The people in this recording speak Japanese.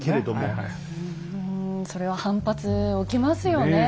うんそれは反発起きますよねえ。